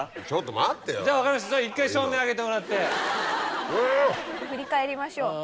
ちょっと待ってよ。